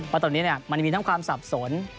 ตรงนี้มันมีทั้งความสับสน